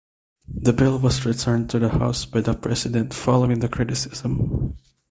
The Bill was returned to the House by the President following the criticism.